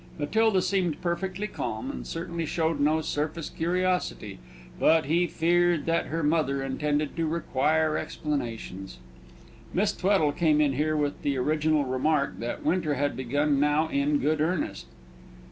Matilda seemed perfectly calm, and certainly showed no surface curiosity; but he feared that her mother intended to require explanations. Miss Tweddle came in here with the original remark that winter had begun now in good earnest.